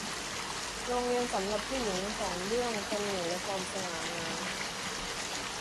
โรงเรียนสำหรับผู้หญิงสอนเรื่องเสน่ห์และความสง่างาม